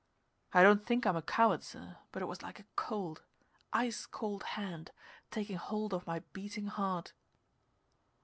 I don't think I'm a coward, sir, but it was like a cold ice cold hand, taking hold of my beating heart.